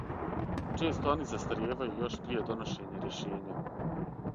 Често они застаријевају још прије доношења рјешења.